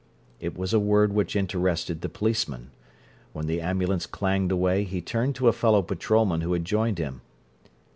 It was a word which interested the policeman. When the ambulance clanged away, he turned to a fellow patrolman who had joined him.